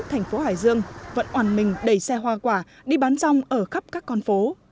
thành phố hải dương vẫn oan mình đầy xe hoa quả đi bán rong ở khắp các con phố